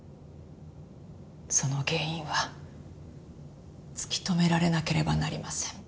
その原因は突き止められなければなりません。